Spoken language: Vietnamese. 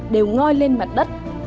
đều ngoi lên mặt đất